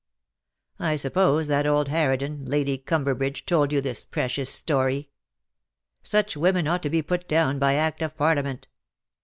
I suppose that old harridan, Lady Cumberbridge, told you this precious story. Such women ought to be put down by Act of Parliament.